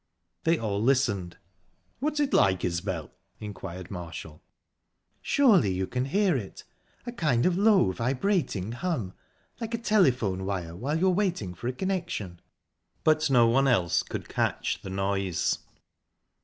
They all listened. "What's it like, Isbel?" inquired Marshall. "Surely you can hear it!...a find of low, vibrating hum...like a telephone wire while you're waiting for a connection..." But no one else could catch the noise.